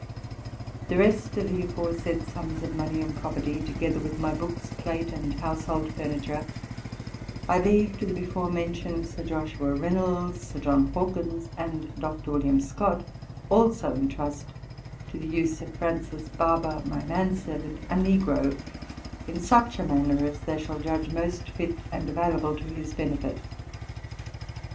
The rest of the aforesaid sums of money and property, together with my books, plate, and household furniture, I leave to the before mentioned Sir Joshua Reynolds, Sir John Hawkins, and Dr. William Scott, also in trust, to the use of Francis Barber, my man servant, a negro, in such a manner as they shall judge most fit and available to his benefit.